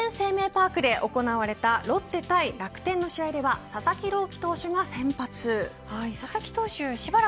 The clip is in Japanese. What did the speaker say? パークで行われたロッテ対楽天の試合では佐々木朗希投手が先発。